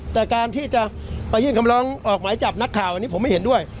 แต่การที่จะไปยื่นคำร้องออกหมายจับนักข่าวอันนี้ผมไม่เห็นด้วย